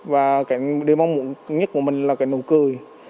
và cái điểm mong muốn nhất của mình là cái nụ cười